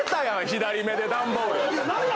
左目で段ボール。